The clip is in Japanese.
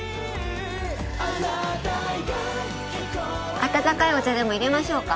温かいお茶でも入れましょうか？